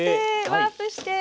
ワープして。